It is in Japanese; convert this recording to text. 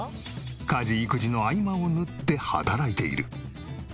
家事育児の合間を縫って働いている。